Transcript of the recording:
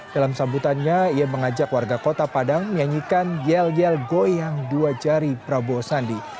dalam sambutannya ia mengajak warga kota padang menyanyikan yel yel goyang dua jari prabowo sandi